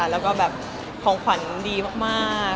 แล้วก็แบบของขวัญดีมาก